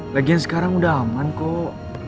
bagian sekarang udah aman kok